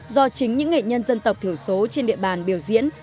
do chính những nghệ nhân dân tộc thiểu số trên địa bàn biểu diễn